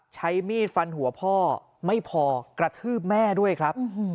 ใช้มีดฟันหัวพ่อไม่พอกระทืบแม่ด้วยครับ